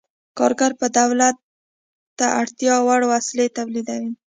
کارګر به دولت ته اړتیا وړ وسلې تولیدوي.